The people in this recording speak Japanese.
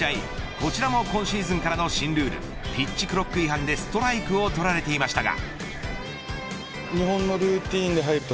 こちらも今シーズンからの新ルールピッチクロック違反でストライクを取られていましたが。